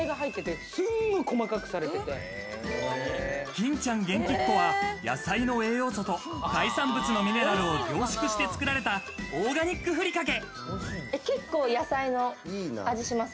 菌ちゃんげんきっこは野菜の栄養素と海産物のミネラルを凝縮して作られたオーガニックふりかけ。